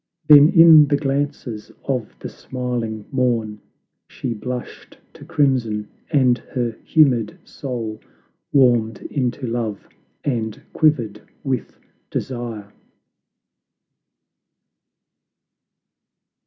Then in the glances of the smiling morn She blushed to crimson, and her humid soul Warmed into love and quivered with desire.